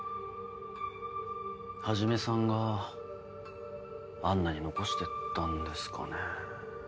始さんがアンナに残してったんですかね？